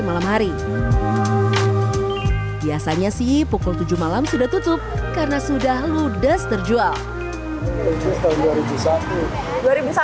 malam hari biasanya sih pukul tujuh malam sudah tutup karena sudah ludes terjual dua ribu satu udah di sini ya